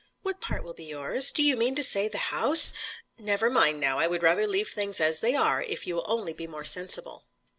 "What part will be yours? Do you mean to say the house? " "Never mind now. I would rather leave things as they are, if you will only be more sensible."